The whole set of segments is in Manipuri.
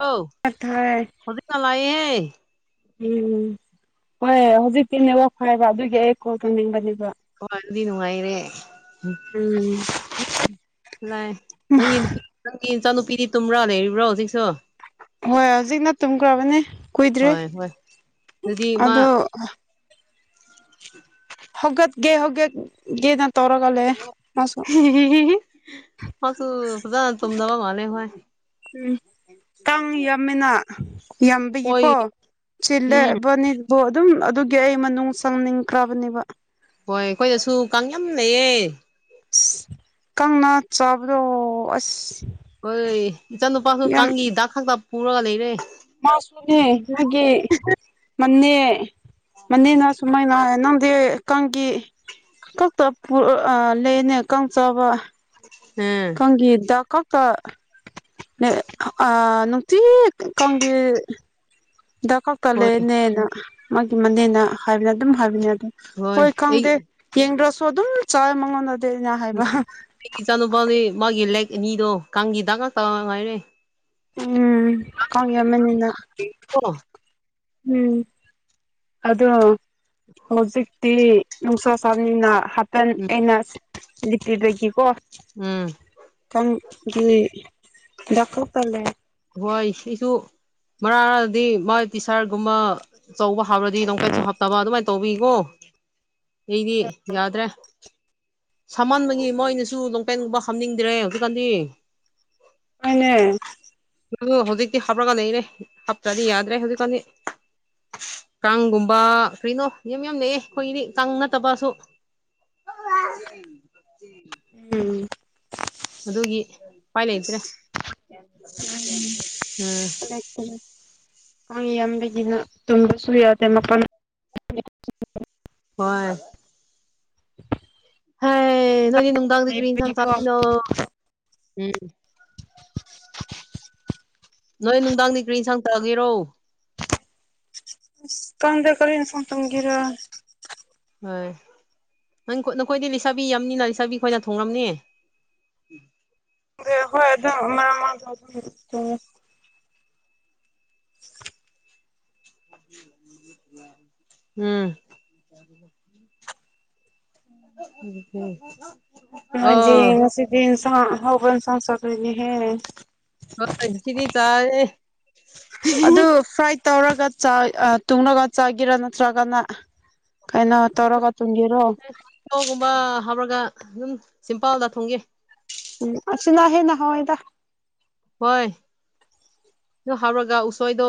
ꯑꯧ ꯑ ꯇꯥꯏ ꯍꯧꯖꯤꯛꯇ ꯂꯩꯌꯦ ꯎꯝ ꯍꯣꯏ ꯍꯧꯖꯤꯛꯇꯤ ꯅꯦꯠꯋꯥꯛ ꯐꯩꯌꯦꯕ ꯑꯗꯨꯒꯤ ꯑꯩ ꯀꯣꯜ ꯇꯧꯅꯤꯡꯕꯅꯦꯕ ꯋꯥꯟꯗꯤ ꯅꯨꯡꯉꯥꯏꯔꯦ ꯎꯝ ꯎꯝ꯫ ꯂꯥꯏ ꯅꯪꯒꯤ ꯅꯨꯄꯤ ꯅꯪꯒꯤ ꯏꯆꯥꯅꯨꯄꯤꯗꯤ ꯇꯨꯝꯕ꯭ꯔꯥ ꯂꯩꯔꯤꯕ꯭ꯔꯣ ꯍꯧꯖꯤꯛꯁꯨ ꯍꯣꯏ ꯍꯧꯖꯤꯛꯅ ꯇꯨꯝꯈ꯭ꯔꯥꯕꯅꯤ ꯀꯨꯏꯗ꯭ꯔꯤ ꯍꯣꯏ ꯍꯣꯏ ꯑꯗꯨꯗꯤ ꯃꯥ ꯑꯗꯣ ꯍꯧꯒꯠꯒꯦ ꯍꯧꯒꯠꯒꯦ ꯅ ꯃꯥꯁꯨ ꯐꯖꯅꯥ ꯇꯨꯝꯗꯕ ꯃꯥꯂꯦ ꯍꯣꯏ ꯎꯝ ꯀꯪ ꯌꯥꯝꯃꯤꯅꯥ ꯍꯣꯏ ꯌꯥꯝꯕꯤꯒꯤꯀꯣ ꯎꯝ ꯆꯤꯜꯂꯦꯕꯅꯤ ꯕꯣ ꯑꯗꯨꯝ ꯑꯗꯨꯒꯤ ꯑꯩ ꯃꯅꯨꯡ ꯆꯪꯅꯤꯡꯈ꯭ꯔꯥꯕꯅꯦꯕ ꯍꯣꯏ ꯑꯩꯈꯣꯏꯗꯁꯨ ꯀꯥꯡ ꯌꯥꯝ ꯂꯩꯩꯌꯦ ꯑꯁ ꯀꯪꯅ ꯆꯥꯕꯗꯣ ꯑꯁ ꯈꯣꯏ ꯏꯆꯥ ꯅꯨꯨꯄꯥꯁꯨ ꯌꯥꯝ ꯀꯥꯡꯒꯤ ꯗꯥꯛ ꯈꯛꯇ ꯄꯨꯔꯒ ꯂꯩꯔꯦ꯫ ꯃꯥꯁꯨꯅꯦ ꯃꯥꯒꯤ ꯃꯥꯅꯦ ꯃꯥꯅꯦꯅ ꯁꯨꯃꯥꯏꯅ ꯍꯥꯏ ꯅꯪꯗꯤ ꯀꯥꯡꯒꯤ ꯈꯛꯇ ꯄꯨ ꯑ ꯂꯩꯅꯦ ꯀꯥꯡ ꯆꯥꯕ ꯍꯨꯝ ꯀꯥꯡꯒꯤ ꯗꯥꯛ ꯈꯛꯇ ꯅꯦ ꯑ ꯅꯨꯡꯇꯤ ꯀꯥꯡꯒꯤ ꯗꯥꯛ ꯍꯣꯏ ꯀꯛꯇꯂꯩꯅꯦꯅ ꯃꯥꯒꯤ ꯃꯥꯅꯦꯅ ꯍꯥꯏꯕ ꯑꯗꯨꯝ ꯍꯥꯏꯕꯅꯦ ꯑꯗꯨꯝ ꯍꯣꯏ ꯈꯪꯗꯦ꯫ ꯌꯦꯡꯗ꯭ꯔꯥꯁꯨ ꯑꯗꯨꯝ ꯆꯥꯏ ꯃꯉꯣꯟꯅꯥꯗꯗꯤ ꯑꯩꯅ ꯎꯝ ꯍꯥꯏꯕ ꯑꯩꯒꯤ ꯏꯆꯥꯅꯨꯄꯥꯗꯤ ꯃꯥꯒꯤ ꯂꯦꯛ ꯑꯅꯤꯗꯣ ꯀꯥꯡꯒꯤ ꯗꯥꯛ ꯉꯥꯛꯇ ꯉꯥꯏꯔꯦ ꯎꯝ ꯀꯥꯡ ꯌꯥꯝꯃꯥꯟꯅꯤꯅ ꯏ ꯀꫭ ꯎꯝ ꯑꯗꯣ ꯍꯧꯖꯤꯛ ꯇꯤ ꯅꯨꯡꯁꯥ ꯁꯥꯕꯅꯤꯅ ꯍꯥꯄꯦꯟ ꯎꯝ ꯑꯩꯅ ꯂꯤꯠꯄꯤꯕꯒꯤꯀꯣ ꯎꯝ꯫ ꯀꯥꯡꯒꯤ ꯗꯥꯛ ꯈꯛꯇ ꯂꯩ ꯋꯥꯏꯠ ꯁꯤꯁꯨ ꯃꯔꯥꯡ ꯑꯃꯗꯤ ꯃꯥꯥꯏ ꯇꯤꯁꯥꯔꯒꯨꯝꯕ ꯑꯆꯧꯕ ꯍꯥꯞꯔꯗꯤ ꯂꯣꯡ ꯄꯦꯟꯁꯨ ꯍꯥꯞꯇꯕ ꯑꯗꯨꯃꯥꯏ ꯇꯧꯕꯤꯀꯣ ꯑꯩꯗꯤ ꯌꯥꯗ꯭ꯔꯦ ꯁꯃꯥꯟꯕꯒꯤ ꯃꯣꯏꯅꯁꯨ ꯂꯣꯡꯄꯦꯟꯒꯨꯝꯕ ꯍꯥꯝꯅꯤꯡꯗ꯭ꯔꯦ ꯍꯧꯖꯤꯛꯀꯥꯟꯗꯤ ꯍꯣꯏꯅꯦ ꯑꯗꯨ ꯍꯧꯖꯤꯛꯇꯤ ꯍꯥꯞꯄꯒ ꯂꯩꯔꯦ ꯍꯥꯞꯇ꯭ꯔꯥꯗꯤ ꯌꯥꯗ꯭ꯔꯦ ꯍꯧꯖꯤꯛꯀꯥꯟꯗꯤ ꯀꯥꯡꯒꯨꯝꯕ ꯀꯔꯤꯅꯣ ꯌꯥꯝ ꯌꯥꯝ ꯂꯩꯑꯦ ꯑꯩꯈꯣꯏꯗꯤ ꯀꯥꯡ ꯅꯠꯇꯕꯁꯨ ꯎꯝ ꯑꯗꯨꯒꯤ ꯎꯄꯥꯏ ꯂꯩꯇ꯭ꯔꯦ ꯎꯝ [unintelligible] ꯍꯨꯏ ꯌꯥꯝꯕꯒꯤꯅ ꯇꯨꯝꯕꯁꯨ ꯌꯥꯗꯦ ꯃꯄꯟ ꯍꯣꯏ ꯍꯥꯏ ꯅꯣꯏꯗꯤ ꯅꯨꯡꯗꯥꯡꯗꯤ ꯀ꯭ꯔꯤ ꯏꯟꯁꯥꯡ ꯂꯩꯕꯒꯤꯀꯣ ꯆꯥꯄꯤꯅꯣ ꯑꯁ ꯎꯝ ꯅꯣꯏ ꯅꯨꯡꯗꯥꯡꯗ ꯀ꯭ꯔꯤ ꯏꯟꯁꯥꯡ ꯆꯥꯒꯦꯔꯣ ꯑꯁ ꯀꯡꯗꯦ ꯀꯔꯤ ꯑꯦꯟꯁꯥꯡ ꯇꯣꯟꯒꯦꯔꯥ ꯍꯣꯏ ꯅꯪ ꯅꯈꯣꯏꯗꯤ ꯂꯩꯁꯥꯕꯤ ꯌꯥꯝꯅꯤꯅ ꯂꯩꯁꯥꯕꯤ ꯈꯣꯏꯅ ꯊꯣꯡꯔꯝꯅꯤ ꯍꯣꯏ ꯈꯣꯏ ꯑꯗꯨꯝ ꯑꯃꯥ ꯃꯥ [unintelligible] [unintelligible] ꯎꯝ [unintelligible] ꯅꯣꯏꯗꯤ ꯑꯣ ꯉꯁꯤꯗꯤ ꯍꯤꯟꯁꯥꯡ ꯑꯍꯥꯎꯕ ꯍꯤꯟꯁꯥꯡ ꯆꯥꯗꯣꯏꯅꯦꯍꯦ ꯍꯣꯏ ꯉꯥꯁꯤꯗꯤ ꯆꯥꯌꯦ ꯑꯗꯨ ꯐ꯭ꯔꯥꯏ ꯇꯧꯔꯒ ꯆꯥꯏ ꯑ ꯇꯨꯡꯉꯒ ꯆꯥꯒꯦꯔꯥ ꯅꯠꯇ꯭ꯔꯒꯅ ꯀꯥꯏꯅꯣ ꯇꯧꯔꯒ ꯇꯨꯟꯒꯦꯔꯣ ꯅꯣꯒꯨꯝꯕ ꯍꯥꯞꯔꯒ ꯗꯨꯝ ꯁꯤꯝꯄꯜꯗ ꯊꯣꯡꯉꯦ ꯎꯝ ꯑꯁꯤꯅ ꯍꯦꯟꯅ ꯍꯥꯎꯋꯦꯗ ꯍꯣꯏ ꯗꯨ ꯍꯥꯞꯔꯒ ꯎꯁꯣꯏꯗꯣ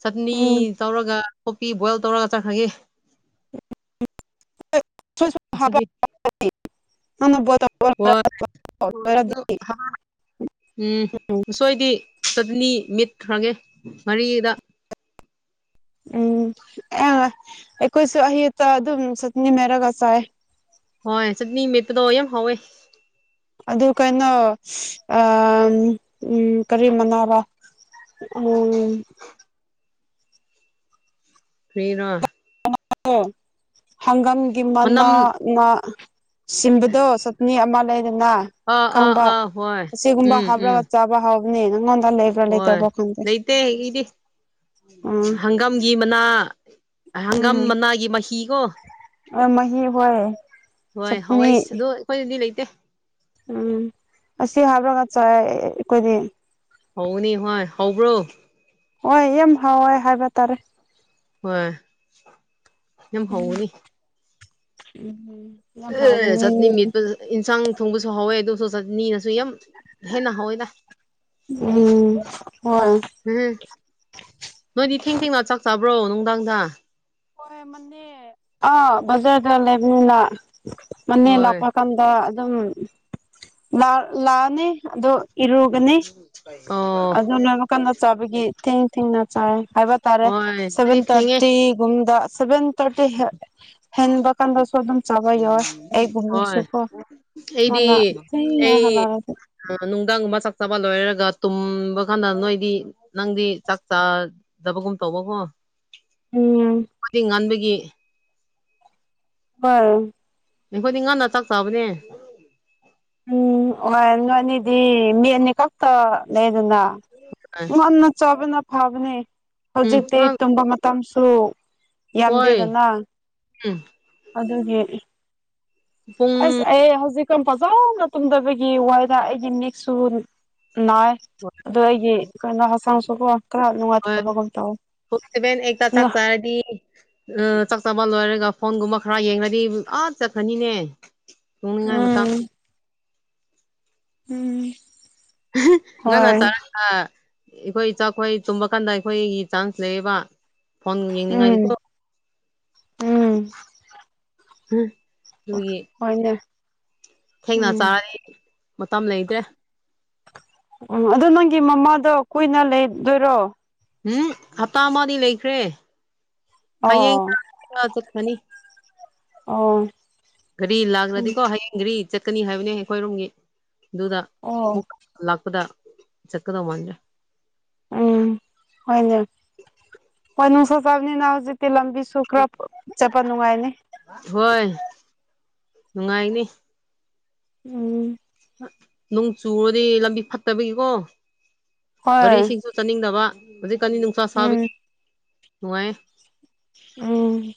ꯆꯠꯅꯤ ꯎꯝ ꯇꯧꯔꯒ ꯀꯣꯄꯤ ꯕꯣꯏꯜ ꯇꯧꯔꯒ ꯆꯠꯈ꯭ꯔꯒꯦ ꯁꯣꯏꯁꯨ ꯍꯞꯄꯥ ꯉꯁꯤꯗꯤ [unintelligible] ꯅꯪꯅ ꯕꯣꯢꯜ ꯇꯧꯕ ꯍꯣꯏ ꯂꯣꯏꯔꯗꯤ [unintelligible] ꯎꯝ ꯑꯁꯣꯏꯗꯤ ꯆꯠꯅꯤ ꯃꯤꯠꯈ꯭ꯔꯒꯦ ꯉꯥꯔꯤꯗ ꯎꯝ ꯑ꯭ꯔꯦ ꯑꯩꯈꯣꯏꯁꯨ ꯑꯌꯨꯠꯇ ꯑꯗꯨꯝ ꯆꯠꯅꯤ ꯃꯦꯠꯔꯒ ꯆꯥꯏ ꯍꯣꯏ ꯆꯠꯅꯤ ꯃꯠꯄꯗꯣ ꯌꯥꯝ ꯍꯥꯎꯋꯦ ꯑꯗꯨ ꯀꯩꯅꯣ ꯑ ꯑꯝ ꯀꯔꯤ ꯃꯅꯥꯔ ꯎꯝ ꯀ꯭ꯔꯤꯔꯥ ꯑꯣ ꯍꯪꯒꯥꯝꯒꯤ ꯃꯅꯝ ꯃꯅꯥꯅ ꯁꯤꯝꯕꯗꯣ ꯆꯠꯅꯤ ꯑꯃ ꯂꯩꯗꯅ ꯑꯥ ꯑꯥ ꯈꯪꯕ ꯑꯥ ꯍꯣꯏ ꯑꯁꯤꯒꯨꯝꯕ ꯎꯝ ꯎꯝ ꯍꯥꯞꯔꯒ ꯆꯥꯞ ꯕ ꯍꯥꯎꯕꯅꯦ ꯅꯪꯉꯣꯟꯗ ꯂꯩ ꯍꯣꯏ ꯂꯩꯇꯦ ꯑꯩꯗꯤ ꯎꯝ ꯍꯪ ꯒꯥꯝꯒꯤ ꯃꯅꯥ ꯍꯪꯒꯥꯝ ꯃꯅꯥꯒꯤ ꯃꯍꯤꯀꯣ ꯑꯥ ꯃꯍꯤ ꯍꯣꯏ ꯍꯣꯏ ꯆꯠꯅꯤ ꯍꯋꯥꯏ ꯑꯗꯣ ꯑꯩꯈꯣꯏꯗꯗꯤ ꯂꯩꯇꯦ ꯎꯝ ꯑꯁꯤ ꯍꯥꯕꯔꯒ ꯆꯥꯏ ꯑꯩꯈꯣꯏꯗꯤ ꯍꯥꯎꯕꯅꯤ ꯍꯣꯏ ꯍꯥꯎꯕ꯭ꯔꯣ ꯍꯣꯏ ꯌꯥꯝ ꯍꯥꯎꯋꯦ ꯍꯥꯏꯕ ꯇꯥꯔꯦ ꯍꯣꯏ ꯌꯥꯝ ꯍꯧꯒꯅꯤ ꯎꯝ ꯌꯥꯝ ꯑꯣ ꯍꯥꯎꯕꯅꯦ ꯆꯠꯅꯤ ꯃꯦꯠꯄꯖꯦ ꯏꯟꯁꯥꯡ ꯊꯣꯡꯕꯁꯨ ꯍꯥꯎꯋꯦ ꯑꯗꯨꯁꯨ ꯆꯠꯅꯤꯅꯁꯨ ꯌꯥꯝ ꯍꯦꯟꯅ ꯍꯥꯎꯋꯤꯗ ꯎꯝ ꯍꯣꯏ ꯍꯨꯝ ꯅꯣꯏꯗꯤ ꯊꯦꯡ ꯊꯦꯡꯅ ꯆꯥꯛ ꯆꯥꯕ꯭ꯔꯣ ꯅꯨꯡꯗꯥꯡꯗ ꯍꯣꯏ ꯑꯦ ꯃꯟꯅꯦ ꯑꯥ ꯕꯖꯥꯔꯗ ꯂꯩꯕꯅꯤꯅ ꯃꯅꯦ ꯍꯣꯏ ꯂꯥꯛꯄ ꯀꯥꯟꯗ ꯗꯨꯝ ꯂꯥꯛ ꯂꯥꯛꯑꯅꯤ ꯑꯗꯨ ꯏꯔꯨꯒꯅꯤ ꯑꯣ ꯑꯗꯨ ꯂꯣꯏꯕꯀꯥꯟꯗ ꯆꯥꯕꯒꯤ ꯊꯦꯡ ꯊꯦꯡꯅ ꯆꯥꯏꯌꯦ ꯍꯥꯏꯕ ꯇꯥꯔꯦ ꯍꯣꯏ ꯁꯦꯚꯦꯟ ꯅꯣꯏꯗꯤ ꯊꯦꯡꯉꯦ ꯊꯥꯔꯇꯤ ꯒꯨꯝꯗ ꯁꯚꯦꯟ ꯊꯥꯔꯇꯤꯗꯥ ꯍꯦꯟꯕ ꯀꯥꯟꯗꯁꯨ ꯑꯗꯨꯝ ꯆꯥꯕ ꯌꯥꯎꯋꯦ ꯍꯣꯏ ꯑꯩꯒꯨꯝꯕꯁꯨꯀꯣ ꯃꯥꯅ ꯊꯦꯡꯅ ꯍꯜꯂꯛꯑꯁꯨ ꯑꯥ ꯅꯨꯡꯗꯥꯡꯒꯨꯝꯕ ꯆꯥꯛ ꯆꯥꯕ ꯂꯣꯏꯔꯒ ꯇꯨꯝꯕ ꯀꯥꯟꯗ ꯅꯣꯏꯗꯤ ꯅꯪꯗꯤ ꯆꯥꯛ ꯆꯥ ꯗꯕꯒꯨꯝ ꯇꯧꯕꯀꯣ ꯎꯝ ꯈꯣꯢꯗꯤ ꯉꯟꯕꯒꯤ [unintelligible] ꯑꯩꯈꯣꯏꯗꯤ ꯉꯟꯅ ꯆꯥꯛ ꯆꯥꯕꯅꯦ ꯎꯝ ꯑꯣꯢ ꯅꯣꯏ ꯑꯅꯤꯗꯤ ꯃꯤ ꯑꯅꯤ ꯈꯛꯇ ꯂꯩꯗꯅ ꯉꯟꯅ ꯆꯥꯕꯅ ꯐꯕꯅꯦ ꯎꯝ ꯍꯧꯖꯤꯛꯇꯤ ꯇꯨꯝꯕ ꯃ ꯇꯝꯁꯨ ꯍꯣꯏ ꯌꯥꯝꯗꯦꯗꯅ ꯎꯝ ꯑꯗꯨꯒꯤ ꯄꯨꯡ ꯑꯁ ꯑꯩ ꯍꯧꯖꯤꯛ ꯇꯪ ꯐꯖꯅ ꯇꯨꯝꯗꯕꯒꯤ ꯋꯥꯢꯗ ꯑꯩꯒꯤ ꯃꯤꯠꯁꯨ ꯅꯥꯏ ꯍꯣꯏ ꯑꯗꯣ ꯑꯩꯒꯤ ꯀꯩꯅꯣ ꯍꯛꯆꯥꯡꯁꯨꯀꯣ ꯈꯔ ꯅꯨꯡꯉꯥꯏꯇꯕꯒꯨꯝ ꯇꯧꯑꯦ ꯉ ꯍꯥꯢꯗꯤ ꯑ ꯆꯥꯛ ꯆꯥꯕ ꯂꯣꯏꯔꯒ ꯐꯣꯟꯒꯨꯝꯕ ꯈꯔ ꯌꯦꯡꯟꯉꯗꯤ ꯑꯥ ꯆꯠꯈ꯭ꯔꯅꯤꯅꯦ ꯇꯨꯝꯅꯤꯡꯉꯥꯢ ꯃꯇꯝ ꯎꯝ ꯑꯍ ꯉꯟꯅ ꯍꯣꯏ ꯆꯥꯔꯒ ꯑꯩꯈꯣꯏ ꯏꯆꯥꯈꯣꯏ ꯇꯨꯝꯕ ꯀꯥꯟꯗ ꯑꯩꯈꯣꯏꯒꯤ ꯆꯥꯟꯁ ꯂꯩꯌꯦꯕ ꯐꯣꯟ ꯎꯝ ꯌꯦꯡꯅꯤꯡꯉꯥꯏꯗꯤꯀꯣ ꯎꯝ [unintelligible] ꯍꯣꯏꯅꯦ ꯊꯦꯡꯅ ꯎꯝ ꯆꯥꯔꯦ ꯃꯇꯝ ꯂꯩꯇ꯭ꯔꯦ ꯎꯝ ꯑꯗꯨ ꯅꯪꯒꯤ ꯃꯃꯥꯗꯣ ꯀꯨꯏꯅ ꯂꯩꯗꯣꯏꯔꯣ ꯍꯨꯝ ꯍꯞꯇꯥ ꯑꯃꯗꯤ ꯂꯩꯈ꯭ꯔꯦ ꯍꯌꯦꯡ ꯑꯣ ꯑꯥ ꯆꯠꯈꯔ꯭ ꯅꯤ ꯑꯣ ꯒꯥꯔꯤ ꯎꯝ ꯂꯥꯛꯂ꯭ꯔꯗꯤꯀꯣ ꯍꯌꯦꯡ ꯒꯥꯔꯤ ꯆꯠꯀꯅꯤ ꯍꯥꯏꯕꯅꯦ ꯑꯩꯈꯣꯏꯔꯣꯝꯒꯤ ꯑꯗꯨꯗ ꯑꯣ ꯃꯨꯛꯀ ꯂꯥꯛꯄꯗ ꯆꯠꯀꯗꯧ ꯃꯥꯟꯅꯦ ꯎꯝ ꯍꯣꯏꯅꯦ [unintelligible] ꯇꯤ ꯂꯝꯕꯤꯁꯨ ꯈꯔ ꯐꯥ ꯆꯠꯄ ꯅꯨꯡꯉꯥꯏꯅꯤ ꯍꯣꯏ ꯅꯨꯡꯉꯥꯏꯅꯤ ꯎꯝ ꯅꯣꯡ ꯆꯨꯔꯗꯤ ꯂꯝꯕꯤ ꯐꯠꯇꯕꯒꯤꯀꯣ ꯍꯣꯏ ꯒꯥꯔꯤꯁꯤꯡꯁꯨ ꯆꯠꯅꯤꯡꯗꯕ ꯍꯧꯖꯤꯛꯀꯥꯟ ꯅꯨꯡꯁꯥ ꯎꯝ ꯁꯥꯕꯒꯤ ꯅꯨꯡꯉꯥꯏꯌꯦ ꯎꯝ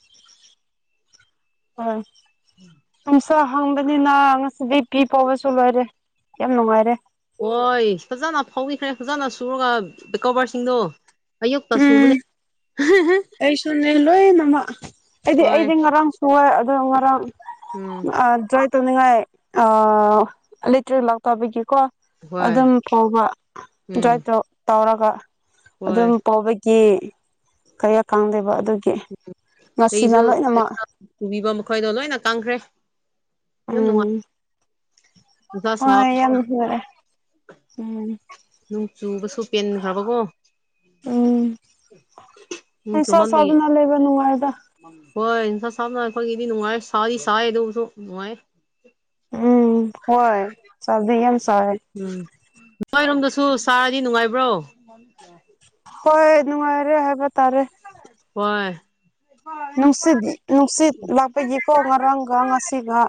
ꯍꯣꯏ [inaudible] ꯅꯨꯡꯁꯥ ꯍꯥꯡꯕꯅꯤꯅ ꯉꯁꯤꯗꯤ ꯐꯤ ꯐꯎꯕꯁꯨ ꯂꯣꯏꯔꯦ ꯌꯥꯝ ꯅꯨꯡꯉꯥꯏꯔꯦ ꯍꯣꯏ ꯐꯖꯅ ꯐꯧꯕꯤꯈ꯭ꯔꯦ ꯐꯖꯅ ꯁꯨꯔꯒ ꯀꯣꯕꯔꯁꯤꯡꯗꯣ ꯑꯌꯨꯛꯇ ꯎꯝ ꯁꯨꯕꯅꯦ ꯑꯩꯁꯨꯅꯦ ꯂꯣꯏ ꯅꯃꯛ ꯑꯩꯗꯤ ꯍꯣꯏ ꯑꯩꯗꯤ ꯉꯔꯥꯡ ꯁꯨꯌꯦ ꯑꯗꯣ ꯉꯔꯥꯡ ꯎꯝ ꯑ ꯗ꯭ꯔꯥꯏ ꯇꯧꯅꯤꯡꯉꯥꯏ ꯑ ꯂꯦꯇ꯭ꯔꯤꯛ ꯂꯧꯊꯣꯛ ꯄꯤꯒꯦꯀꯣ ꯍꯣꯏ ꯑꯗꯨꯝ ꯐꯧꯕ ꯎꯝ ꯗ꯭ꯔꯥꯢ ꯇꯧ ꯇꯧꯔꯒ ꯍꯣꯏ ꯑꯗꯨꯝ ꯐꯧꯕꯤ ꯀꯦ ꯈꯔ ꯀꯥꯡꯗꯦꯕ ꯑꯗꯨꯒꯤ ꯉꯁꯤꯅ ꯑꯩꯁꯨ ꯂꯣꯏꯅꯃꯛ ꯄꯨꯕꯤꯕ ꯃꯈꯣꯏꯗꯣ ꯂꯣꯏꯅ ꯀꯪꯈ꯭ꯔꯦ ꯌꯥꯝ ꯅꯨꯡꯉꯥꯏ ꯎꯝ ꯅꯨꯡꯁꯥ ꯁꯥꯕꯅ [unintelligible] ꯎꯝ ꯅꯣꯡ ꯆꯨꯕꯁꯨ ꯄꯦꯟꯒ꯭ꯔꯕꯀꯣ ꯎꯝ ꯅꯣꯡ ꯅꯨꯡꯁꯥ ꯆꯨꯃꯥꯟꯕꯒꯤ ꯁꯥꯕꯅ ꯂꯩꯕ ꯅꯨꯡꯉꯥꯏꯗ ꯍꯣꯏ ꯅꯨꯡꯁꯥ ꯁꯥꯕꯅ ꯑꯩꯈꯣꯏꯒꯤꯗꯤ ꯅꯨꯡꯉꯥꯏ ꯁꯥꯗꯤ ꯁꯥꯏ ꯑꯗꯨꯕꯨꯁꯨ ꯅꯨꯡꯉꯥꯏ ꯎꯝ ꯍꯣꯏ ꯁꯕꯗꯤ ꯌꯥꯝ ꯁꯥꯢ ꯎꯝ ꯅꯣꯏꯔꯣꯝꯗꯁꯨ ꯁꯥꯔꯗꯤ ꯅꯨꯡꯉꯥꯏꯕ꯭ꯔꯣ [unintelligible] ꯍꯣꯏ ꯅꯨꯡꯉꯥꯏꯔꯦ ꯍꯥꯏꯕ ꯇꯥꯔꯦ ꯍꯣꯏ ꯅꯨꯡꯁꯤꯠꯗꯤ ꯅꯨꯡꯁꯤꯠ ꯂꯥꯛꯄꯒꯤꯀꯣ ꯉꯔꯥꯡꯒ ꯉꯥꯁꯤꯒ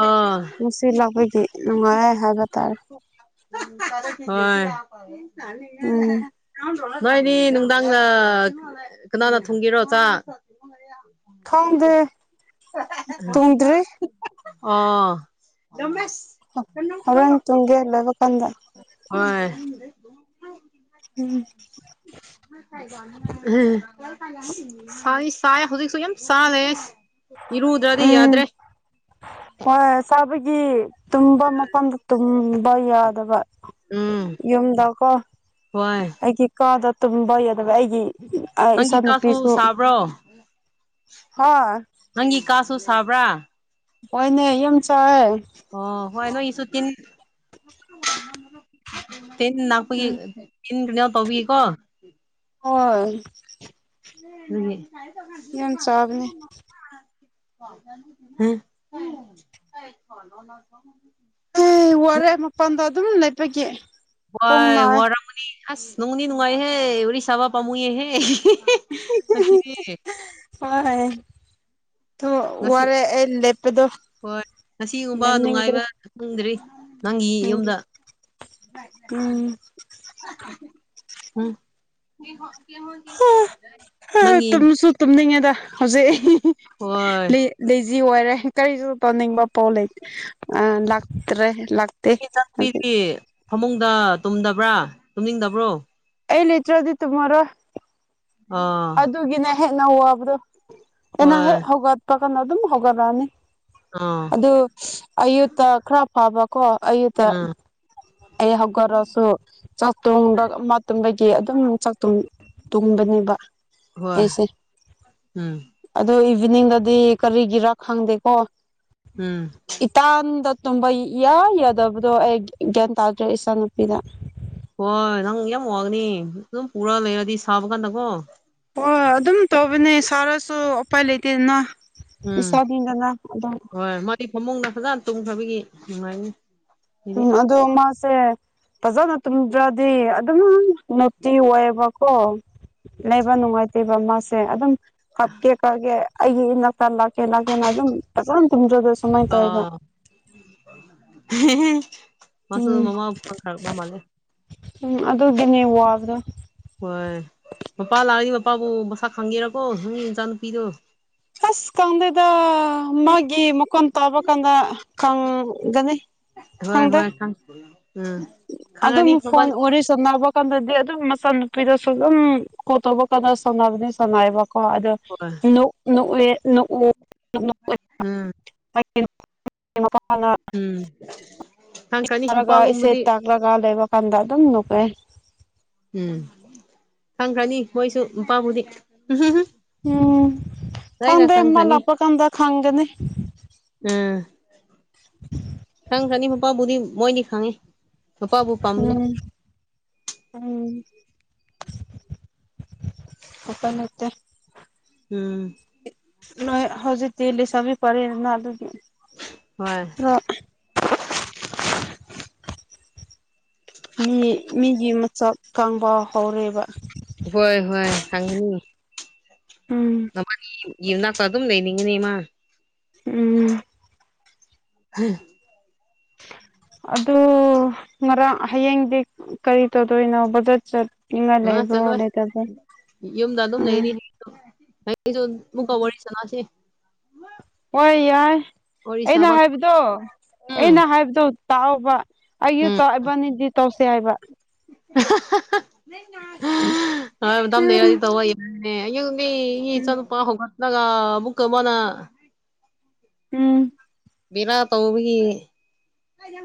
ꯑꯥ ꯅꯨꯡꯁꯤꯠ ꯂꯥꯛꯄꯒꯤ ꯂꯨꯡꯉꯥꯏꯌꯦ ꯍꯥꯏꯕ ꯇꯥꯔꯦ [unintelligible] ꯍꯣꯢ ꯎꯝ [unintelligible] ꯅꯣꯏꯗꯤ ꯅꯨꯡꯗꯥꯡꯗ ꯀꯅꯥꯅ ꯊꯣꯡꯒꯦꯔꯣ ꯆꯥꯛ ꯈꯪꯗꯦ ꯇꯨꯝꯗ꯭ꯔꯤ [unintelligible] ꯑꯣ ꯇꯝꯃꯦꯁ ꯍꯣꯔꯦꯟ ꯇꯨꯝꯒꯦ ꯂꯣꯢꯕ ꯀꯟꯗ ꯍꯣꯏ ꯎꯝ [unintelligible] [unintelligible] ꯁꯥꯏ ꯁꯥꯢ ꯍꯧꯖꯤꯛꯁꯨ ꯌꯥꯝ ꯁꯥ ꯂꯩꯌꯦ ꯏꯔꯨꯗ꯭ꯔꯗꯤ ꯌꯥꯗ꯭ꯔꯦ ꯑ ꯆꯥꯕꯒꯤ ꯇꯨꯝꯕ ꯃꯐꯝꯗ ꯇꯨꯝꯕ ꯌꯥꯗꯕ ꯎꯝ ꯌꯨꯝꯗꯀꯣ ꯍꯣꯏ ꯑꯩꯒꯤ ꯀꯥꯗ ꯇꯨꯝꯕ ꯌꯗꯕꯒꯤ ꯑꯩꯒꯤ ꯑ ꯏꯆꯥ ꯅꯪꯒꯤ ꯀꯥꯁꯨ ꯅꯄꯤꯁꯨ ꯁꯥꯕ꯭ꯔꯣ ꯍ ꯅꯪꯒꯤ ꯀꯁꯨ ꯁꯥꯕ꯭ꯔꯥ ꯍꯣꯏꯅꯦ ꯌꯨꯝ ꯆꯥꯛꯑꯦ ꯑꯣ ꯍꯣꯏ ꯅꯣꯏꯒꯤꯁꯨ ꯇꯤꯟ ꯇꯤꯟ ꯅꯥꯛꯄꯒꯤ ꯎꯝ ꯏꯟꯀ꯭ꯔꯅꯦꯜ ꯇꯧꯕꯤꯀꯣ ꯍꯣꯢ ꯗꯨꯅꯤ ꯌꯥꯝ ꯆꯥꯕꯅꯦ [unintelligible] ꯑꯦ ꯋꯥꯔꯦ ꯃꯄꯥꯟꯗ ꯑꯗꯨꯝ ꯂꯩꯄꯒꯤ ꯋꯥꯢ ꯋꯥꯔꯝꯃꯅꯤ ꯑꯁ ꯅꯣꯡꯕꯨꯗꯤ ꯅꯨꯡꯉꯥꯏꯍꯦ ꯋꯥꯔꯤꯁꯕ ꯄꯥꯝꯃꯨꯏꯍꯦ ꯉꯁꯤꯗꯤ [unintelligible] ꯍꯣꯏ ꯊꯣ ꯉꯁꯤ ꯋꯥꯔꯦ ꯑꯩ ꯂꯦꯞꯄꯗꯣ ꯂꯦꯞꯅꯤꯡꯗ꯭ꯔꯦ ꯄꯨꯟꯗ꯭ꯔꯤ ꯅꯪꯒꯤ ꯎꯝ ꯌꯨꯝꯗ ꯎꯝ ꯎꯝ [unintelligible] ꯅꯪꯒꯤ ꯇꯨꯝꯁꯨ ꯇꯨꯝꯅꯤꯡꯉꯦꯗ ꯍꯧꯖꯤꯛ ꯍꯣꯏ ꯂꯦꯖꯤ ꯑꯣꯏꯔꯦ ꯀꯔꯤꯁꯨ ꯇꯧꯅꯤꯡꯕ ꯄꯣ ꯂꯩ ꯑ ꯂꯥꯛꯇ꯭ꯔꯦ ꯂꯥꯛꯇꯦ ꯅꯪꯒꯤ ꯍꯖꯤꯛ ꯆꯥꯛꯄꯤꯗꯤ ꯐꯃꯨꯡꯗ ꯇꯨꯝꯗꯕ꯭ꯔꯥ ꯇꯨꯝꯅꯤꯡꯗꯕ꯭ꯔꯣ ꯑꯩ ꯂꯩꯇ꯭ꯔꯗꯤ ꯇꯨꯝꯃꯔꯣꯏ ꯑꯥ ꯑꯗꯨꯒꯤꯅꯦ ꯍꯦꯟꯅ ꯋꯥꯕꯗꯣ ꯑꯩꯅ ꯍꯣꯏ ꯍꯦꯛ ꯍꯧꯒꯠꯄ ꯀꯥꯟꯗ ꯑꯗꯨꯝ ꯍꯧꯒꯠꯂꯛ ꯑꯅꯤ ꯑꯥ ꯑꯗꯨ ꯑꯌꯨꯠꯇ ꯈꯔ ꯐꯕꯀꯣ ꯑꯌꯨꯠꯇ ꯎꯝ ꯑꯩ ꯍꯧꯒꯠꯔꯁꯨ ꯆꯥꯛꯇꯣꯡꯕ ꯑꯃ ꯇꯨꯝꯕꯒꯤ ꯑꯗꯨꯝ ꯆꯥꯛꯇꯨꯡ ꯇꯨꯡꯕꯅꯤꯕ ꯍꯣꯏ ꯑꯩꯁꯦ ꯎꯝ ꯑꯗꯨ ꯏꯚꯤꯅꯤꯡꯗꯗꯤ ꯀꯔꯤꯒꯤꯔꯥ ꯈꯪꯗꯦꯀꯣ ꯎꯝ ꯏꯇꯥꯟꯗ ꯇꯨꯝꯕ ꯏꯌꯥ ꯌꯥꯗꯕꯗꯣ ꯑꯩ ꯒ꯭ꯌꯥꯟ ꯇꯥꯗ꯭ꯔꯦ ꯏꯆꯥꯅꯨꯄꯤꯗ ꯍꯣꯏ ꯅꯪ ꯌꯥꯝ ꯋꯥꯡꯒꯅꯤ ꯑꯗꯨꯝ ꯄꯨꯔ ꯂꯩꯔꯗꯤ ꯁꯥꯕ ꯀꯥꯟꯗꯀꯣ ꯍꯣꯢ ꯑꯗꯨꯝ ꯇꯧꯕꯅꯦ ꯁꯥꯔꯁꯨ ꯎꯄꯥꯏ ꯂꯩꯇꯦꯗꯅ ꯎꯝ ꯍꯣꯏ ꯃꯗꯤ ꯐꯃꯨꯡꯗ ꯐꯖꯅ ꯇꯨꯝꯈ꯭ꯔꯕꯒꯤ ꯅꯨꯡꯉꯥꯏꯅꯤ ꯑꯩꯗꯤ ꯎꯝ ꯑꯗꯨꯗ ꯃꯥꯁꯦ ꯐꯖꯅ ꯇꯨꯝꯗ꯭ꯔꯗꯤ ꯑꯗꯨꯝ ꯅꯨꯡꯇꯤ ꯑꯣꯏꯌꯦꯕꯀꯣ ꯂꯩꯕ ꯅꯨꯡꯉꯥꯏꯇꯦꯕ ꯃꯥꯁꯦ ꯑꯗꯨꯝ ꯀꯞꯇꯦ ꯀꯒꯦ ꯑꯩꯒꯤ ꯏꯅꯥꯛꯇ ꯂꯥꯛꯀꯦ ꯂꯥꯛꯀꯦꯅ ꯑꯗꯨꯝ ꯐꯖꯥꯅ ꯇꯨꯝꯗꯔꯒ ꯁꯨꯃꯥꯏ ꯇꯧꯋꯦꯕ ꯑꯥ ꯃꯥꯁꯨ ꯎꯝ ꯃꯃꯥꯎ ꯐꯪ ꯈꯔꯕ ꯃꯥꯜꯂꯦ ꯎꯝ ꯑꯗꯨꯒꯤꯅꯦ ꯋꯥꯕꯗꯣ ꯍꯣꯏ ꯃꯄꯥ ꯂꯥꯛꯑꯗꯤ ꯃꯄꯥꯕꯨ ꯃꯁꯥꯛ ꯈꯪꯒꯦꯔꯀꯣ ꯅꯪꯒꯤ ꯅꯆꯥ ꯅꯨꯄꯤꯗꯣ ꯑꯁ ꯈꯗꯦꯗ ꯃꯥꯒꯤ ꯃꯀꯣꯟ ꯇꯥꯕ ꯀꯥꯟꯗ ꯈꯪꯒꯅꯤ ꯍꯣꯏ ꯈꯪꯗꯦ ꯍꯣꯏ [unintelligible] ꯑꯗꯨꯝ ꯈꯪꯉꯅꯤ ꯃꯄꯥ ꯐꯣꯟ ꯋꯥꯔꯤ ꯁꯟꯅꯕ ꯀꯥꯟꯗꯗꯤ ꯑꯗꯨꯝ ꯃꯆꯥ ꯅꯨꯨꯄꯤꯗꯨꯁꯨ ꯑꯗꯨꯝ ꯀꯣꯜ ꯇꯧꯕ ꯀꯥꯟꯗ ꯁꯥꯟꯅꯕꯗꯤ ꯁꯥꯟꯅꯩ ꯑꯦꯕ ꯀꯣ ꯑꯗꯣ ꯍꯣꯏ ꯅꯣꯛ ꯅꯣꯛꯂꯦ ꯅꯣꯛꯎ [unintelligible] ꯎꯝ ꯎꯝ ꯈꯪꯈ꯭ꯔꯅꯤ [unintelligible] ꯃꯄꯥꯒꯨꯝꯕꯗꯤ ꯂꯥꯛꯂꯒ ꯂꯩꯕꯀꯥꯟꯗ ꯑꯗꯨꯝ ꯅꯣꯛꯑꯦ ꯎꯝ ꯈꯪꯈ꯭ꯔꯅꯤ ꯃꯣꯏꯁꯨ ꯃꯄꯥꯕꯨꯗꯤ ꯎꯝ ꯂꯣꯏꯅ ꯈꯪꯗꯦ ꯈꯪꯈ꯭ꯔꯅꯤ ꯃꯂꯥꯞꯄꯥ ꯀꯪꯗ ꯈꯪꯒꯅꯤ ꯎꯝ ꯈꯪ ꯆꯅꯤ ꯃꯄꯥꯕꯨꯗꯤ ꯃꯣꯏꯗꯤ ꯈꯪꯉꯤ ꯃꯄꯥꯕꯨ ꯄꯥꯝꯕꯅꯤ ꯎꯝ ꯎꯝ ꯑꯄꯥꯟ ꯅꯠꯇꯦ ꯎꯝ ꯅꯣꯏ ꯍꯧꯖꯤꯛꯇꯤ ꯂꯤꯁꯥꯕꯤ ꯐꯥꯔꯦꯗꯅ ꯑꯗꯨꯒꯤ ꯍꯣꯏ [unintelligible] ꯃꯤ ꯃꯤꯒꯤ ꯃꯆꯥꯛ ꯈꯪꯕꯥ ꯍꯧꯔꯦꯕ ꯍꯣꯏ ꯍꯣꯏ ꯈꯪꯒꯅꯤ ꯎꯝ ꯅꯕꯥꯅꯤ ꯌꯨꯝꯅꯥꯛꯇ ꯑꯗꯨꯝ ꯂꯩꯅꯤꯡꯉꯅꯤ ꯃꯥ ꯎꯝ [unintelligible] ꯑꯗꯨ ꯉꯔꯥꯡ ꯍꯌꯦꯡꯗꯤ ꯀꯔꯤ ꯇꯧꯗꯣꯏꯅꯣ ꯕꯖꯔ ꯆꯠ ꯅꯤꯡꯉꯥꯏ ꯑ ꯂꯩꯕ꯭ꯔꯣ ꯆꯠꯂꯣꯏ ꯂꯩꯇꯕ꯭ꯔꯣ ꯎꯝ [unintelligible] ꯃꯨꯛꯀ ꯋꯥꯔꯤ ꯁꯅꯥꯁꯤ ꯍꯣꯏ ꯌꯥꯏ ꯋꯥꯔꯤ ꯑꯩꯅ ꯁꯥꯕ ꯍꯥꯏꯕꯗꯣ ꯑꯩꯅ ꯎꯝ ꯍꯥꯏꯕꯗꯨ ꯇꯥꯎꯑꯣꯕ ꯑꯩꯖꯨ ꯇꯧ ꯏꯕꯅꯤꯗꯤ ꯇꯧꯁꯦ ꯍꯥꯏꯕ ꯍꯣꯏ ꯃꯇꯝ ꯂꯩꯔꯗꯤ ꯎꯝ ꯇꯧꯋꯣꯌꯦ ꯑꯦ ꯑꯌꯨꯛꯇꯤ [unintelligible] ꯎꯝ ꯆꯠꯄ ꯍꯧꯒꯠꯂꯒ ꯑꯃꯨꯛꯀ ꯃꯅꯥ ꯎꯝ ꯕꯦꯔꯥ ꯇꯧꯕꯒꯤ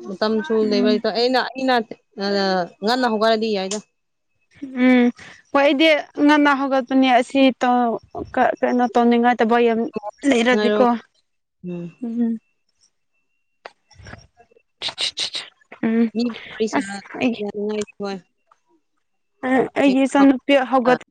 ꯃꯇꯝꯁꯨ ꯎꯝ ꯂꯩꯔꯣꯢꯗ ꯑꯩꯅ ꯑꯩꯅ [unintelligible] ꯉꯟꯅ ꯍꯧꯒꯠꯔꯗꯤ ꯌꯥꯏꯗ ꯎꯝ ꯍꯣꯏ ꯑꯩꯗꯤ ꯉꯟꯅ ꯍꯧꯒꯠꯄꯅꯦ ꯑꯁꯤ ꯇꯧ ꯀꯩ ꯀꯩꯅꯣ ꯇꯧꯅꯤꯡꯉꯥꯏ ꯇꯕ ꯌꯥꯝ ꯉꯥꯏꯔꯣ ꯂꯩꯔꯗꯤꯀꯣ ꯎꯝ [unintelligible] ꯃꯤ ꯑꯁ ꯀꯔꯤꯁꯅꯥ ꯑꯩꯒꯤ [unintelligible] ꯑꯥ ꯑꯩꯒꯤ ꯏꯆꯅꯨꯄꯤ ꯍꯧꯒꯠ